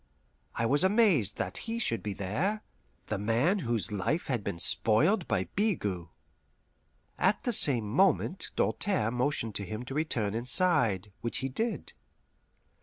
I was amazed that he should be there the man whose life had been spoiled by Bigot. At the same moment Doltaire motioned to him to return inside; which he did.